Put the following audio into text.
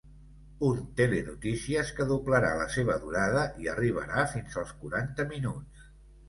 Un telenotícies que doblarà la seva durada i arribarà fins als quaranta minuts.